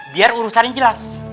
biar urusannya jelas